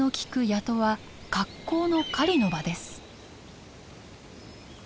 谷戸は格好の狩りの場です。